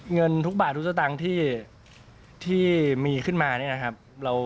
เงินทุกบาททุกสตางค์ที่มีขึ้นมาเนี่ยนะครับ